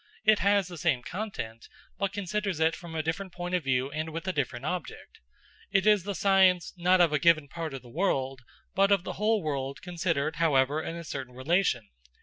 It has the same content, but considers it from a different point of view and with a different object. It is the science, not of a given part of the world, but of the whole world, considered, however, in a certain relation.